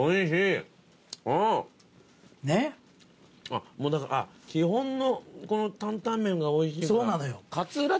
あっもうだから基本のこのタンタンメンがおいしいから。